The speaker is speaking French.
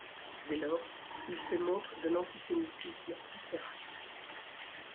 Dès lors, il fait montre d'un antisémitisme viscéral.